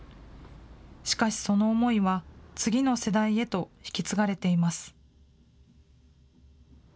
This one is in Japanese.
しかしその思いは、次の世代へと引き継がれています。